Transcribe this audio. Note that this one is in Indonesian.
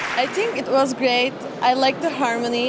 saya pikir itu bagus saya suka harmoni